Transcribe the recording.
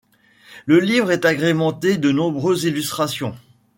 Le livre est agrémenté de nombreuses illustrations.